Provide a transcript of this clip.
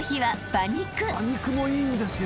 馬肉もいいんですよ。